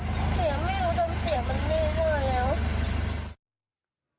เสียไม่รู้จนเสียเป็นแม่ด้วยแล้ว